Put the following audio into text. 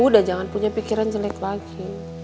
udah jangan punya pikiran jelek lagi